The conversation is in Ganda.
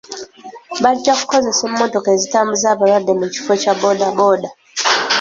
Bajja kukozesa emmotoka ezitambuza abalwadde mu kifo kya boodabooda.